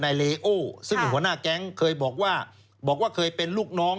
เลโอซึ่งเป็นหัวหน้าแก๊งเคยบอกว่าบอกว่าเคยเป็นลูกน้อง